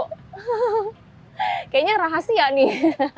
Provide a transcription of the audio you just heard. kayaknya rahasia nih